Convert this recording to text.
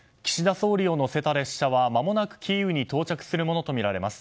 総理を乗せた列車はまもなくキーウに到着するものとみられます。